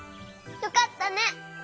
よかったね！